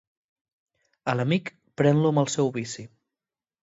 A l'amic, pren-lo amb el seu vici.